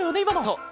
そう。